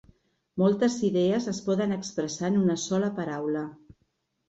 Moltes idees es poden expressar en una sola paraula.